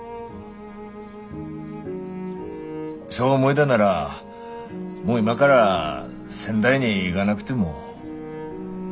そう思えだならもう今から仙台に行がなくても。